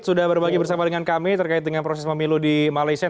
sudah berbagi bersama dengan kami terkait dengan proses memilu di malaysia